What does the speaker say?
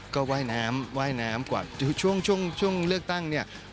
ก็ว่ายน้ำว่ายน้ำกว่าช่วงช่วงเลือกตั้งเนี่ย